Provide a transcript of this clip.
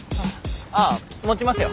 あ持ちますよ。